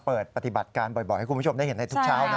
ปฏิบัติการบ่อยให้คุณผู้ชมได้เห็นในทุกเช้านะ